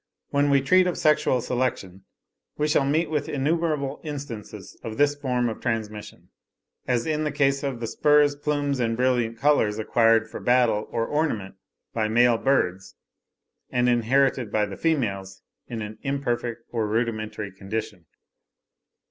When we treat of sexual selection, we shall meet with innumerable instances of this form of transmission,—as in the case of the spurs, plumes, and brilliant colours, acquired for battle or ornament by male birds, and inherited by the females in an imperfect or rudimentary condition.